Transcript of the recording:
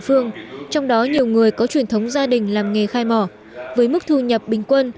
phương trong đó nhiều người có truyền thống gia đình làm nghề khai mỏ với mức thu nhập bình quân